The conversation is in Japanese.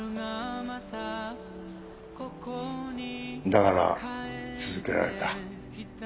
だから続けられた。